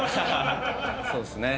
そうですね。